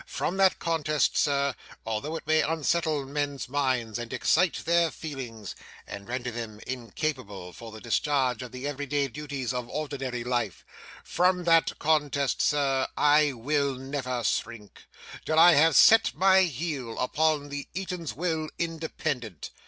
From that contest, Sir, although it may unsettle men's minds and excite their feelings, and render them incapable for the discharge of the everyday duties of ordinary life; from that contest, sir, I will never shrink, till I have set my heel upon the Eatanswill Independent.